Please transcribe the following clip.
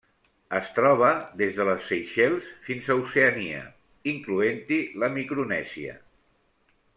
Es troba des de les Seychelles fins a Oceania, incloent-hi la Micronèsia.